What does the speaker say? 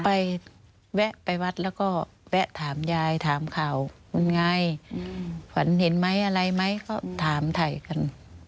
ไปแวะไปวัดแล้วก็แวะถามยายถามเขาเป็นไงฝันเห็นไหมอะไรไหมก็ถามไทยกัน